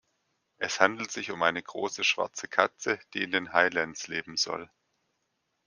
Es handelt sich um eine große schwarze Katze, die in den Highlands leben soll.